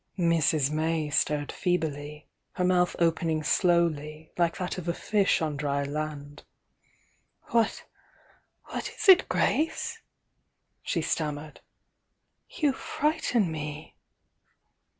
Mrs. May stared feebly, her mouth opening slow ly, like that of a fish on dry land. "Whatr— what is it, Grace?" she stammered. "You frighten me!"